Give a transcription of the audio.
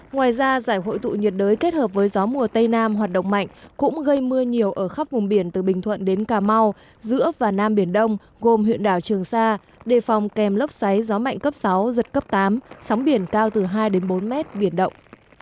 ngoài ra giải hội tụ nhiệt đới kết hợp với gió mùa tây nam hoạt động mạnh cũng gây mưa nhiều ở khắp vùng biển từ bình thuận đến cà mau giữa và nam biển đông gồm huyện đảo trường sa đề phòng kèm lốc xoáy gió mạnh cấp sáu giật cấp tám sóng biển cao từ hai bốn mét biển động